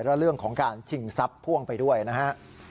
และเรื่องของการชิงทรัพย์พ่วงไปด้วยนะฮะ